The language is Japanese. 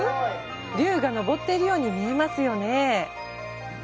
龍が昇っているように見えますよね？